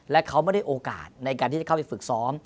และเขาไม่ได้โอกาสในการที่จะเข้าไปฝึกซ้อม